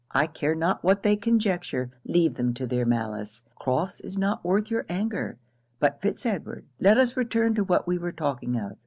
I care not what they conjecture leave them to their malice Crofts is not worth your anger. But Fitz Edward, let us return to what we were talking of.